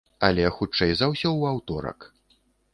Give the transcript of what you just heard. Але хутчэй за ўсё ў аўторак.